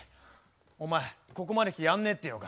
お前ここまで来てやんねえって言うのか？